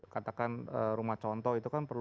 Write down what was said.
katakan rumah contoh itu